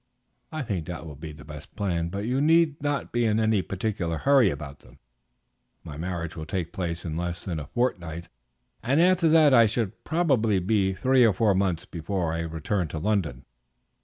"I think that will be the best plan; but you need not be in any particular hurry about them. My marriage will take place in less than a fortnight, and after that I shall probably be three or four months before I return to London.